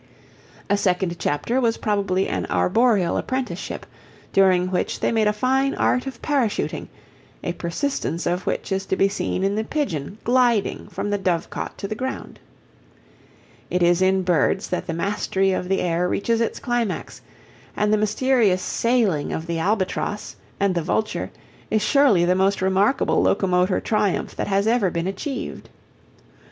A second chapter was probably an arboreal apprenticeship, during which they made a fine art of parachuting a persistence of which is to be seen in the pigeon "gliding" from the dovecot to the ground. It is in birds that the mastery of the air reaches its climax, and the mysterious "sailing" of the albatross and the vulture is surely the most remarkable locomotor triumph that has ever been achieved.